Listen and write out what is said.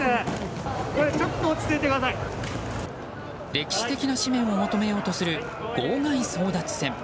歴史的な紙面を求めようとする号外争奪戦。